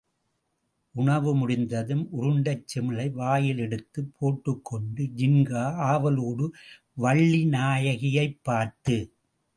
உணவு முடிந்ததும் உருண்டைச் சிமிழை வாயில் எடுத்துப் போட்டுக்கொண்டு, ஜின்கா ஆவலோடு வள்ளி நாயகியைப் பார்த்தது.